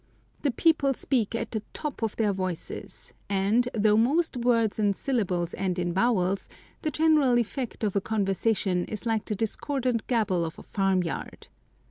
The people speak at the top of their voices, and, though most words and syllables end in vowels, the general effect of a conversation is like the discordant gabble of a farm yard.